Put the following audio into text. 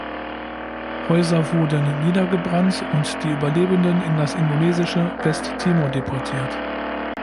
Häuser wurden niedergebrannt und die Überlebenden in das indonesische Westtimor deportiert.